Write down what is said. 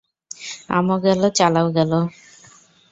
আমও গেলো, চালাও গেলো।